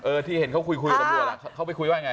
ที่เห็นเขาคุยคุยกับตำรวจอ่ะเขาไปคุยว่าไง